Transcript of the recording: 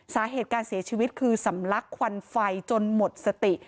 สาเหตุการเสียชีวิตคือสำลักควันไฟจนหมดสติ